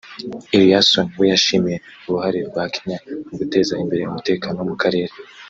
Eliasson we yashimiye uruhare rwa Kenya mu guteza imbere umutekano mu karere